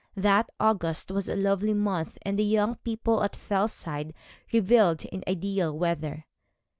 That August was a lovely month, and the young people at Fellside revelled in ideal weather.